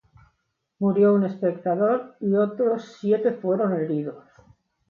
Murió un espectador y otros siete fueron heridos.